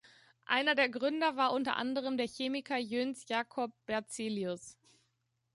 Einer der Gründer war unter anderem der Chemiker Jöns Jacob Berzelius.